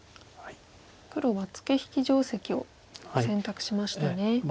黒はツケ引き定石を選択しましたね。